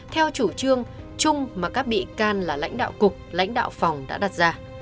theo chủ trương chung mà các bị can là lãnh đạo cục lãnh đạo phòng đã đặt ra